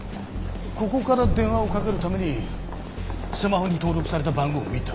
ここから電話をかけるためにスマホに登録された番号を見た。